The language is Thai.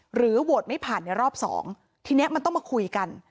โหวตไม่ผ่านในรอบสองทีนี้มันต้องมาคุยกัน